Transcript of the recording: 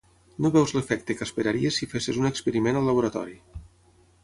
No veus l’efecte que esperaries si fessis un experiment al laboratori.